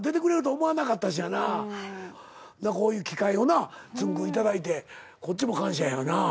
こういう機会をなつんく♂頂いてこっちも感謝やな。